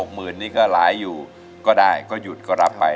หมื่นนี้ก็หลายอยู่ก็ได้ก็หยุดก็รับไป